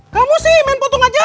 kamu sih main potong aja